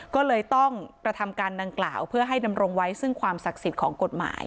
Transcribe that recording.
ก็เลยต้องกระทำการดังกล่าวเพื่อให้ดำรงไว้ซึ่งความศักดิ์สิทธิ์ของกฎหมาย